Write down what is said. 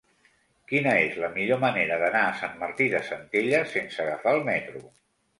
Quina és la millor manera d'anar a Sant Martí de Centelles sense agafar el metro?